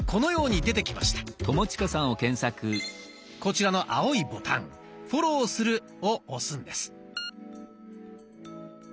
こちらの青いボタン「フォローする」を押すんです。